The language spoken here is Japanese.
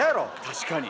確かに。